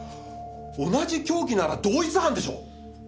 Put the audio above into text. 同じ凶器なら同一犯でしょ！